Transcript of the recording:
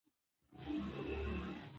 د خلکو ګډون د ثبات لامل ګرځي